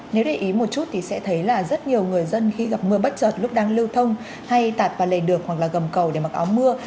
nếu để ý một chút thì sẽ thấy là rất nhiều người dân khi gặp mưa bất chợt lúc đang lưu thông hay tạt vào lề đường hoặc là gầm cầu để mặc áo mưa